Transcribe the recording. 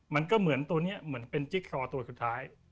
มันก็เหมือนตัวนี้เหมือนเป็นจิ๊กซอตัวสุดท้าย